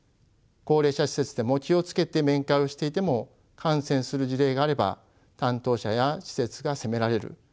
高齢者施設でも気を付けて面会をしていても感染する事例があれば担当者や施設が責められる。